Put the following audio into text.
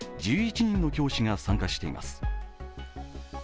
１１人の教師が参加しています。